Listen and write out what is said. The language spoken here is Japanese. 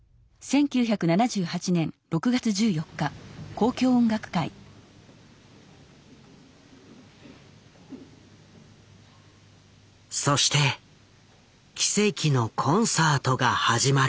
小澤先生はそして奇跡のコンサートが始まる。